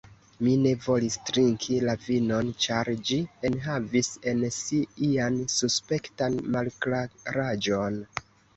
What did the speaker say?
Mi ne volis trinki la vinon, ĉar ĝi enhavis en si ian suspektan malklaraĵon.